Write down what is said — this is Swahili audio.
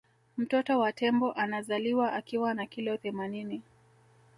mtoto wa tembo anazaliwa akiwa na kilo themanini